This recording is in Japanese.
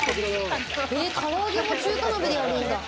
から揚げも中華鍋でやるんだ。